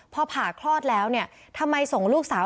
พอผ่าคลอดแล้วเนี่ยทำไมส่งลูกสาว